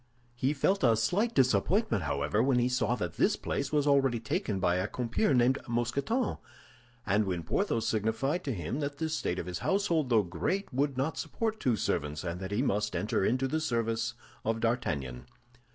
He felt a slight disappointment, however, when he saw that this place was already taken by a compeer named Mousqueton, and when Porthos signified to him that the state of his household, though great, would not support two servants, and that he must enter into the service of D'Artagnan.